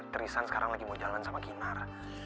trisan sekarang lagi mau jalan sama kinar